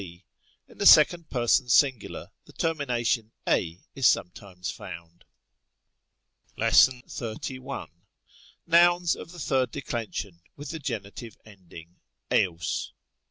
c. In the second pers. sing. the termination εἰ is sometimes found. _ 891. Nouns of the third declension with the genitive end ing εῶς.